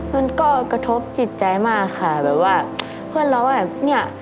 มันก็กระทบจิตใจมากค่ะแบบว่าเพื่อนเราว่าแบบเนี่ย